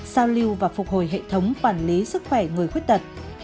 giao lưu và phục hồi hệ thống quản lý sức khỏe người khuyết tật